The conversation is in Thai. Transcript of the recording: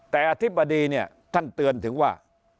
แต่อธิบดีเนี่ยท่านเตือนถึงว่า